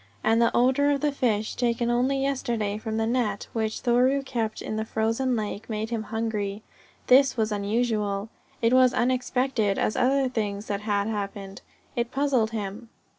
And the odour of the fish, taken only yesterday from the net which Thoreau kept in the frozen lake, made him hungry. This was unusual. It was unexpected as other things that had happened. It puzzled him.